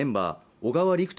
小川陸斗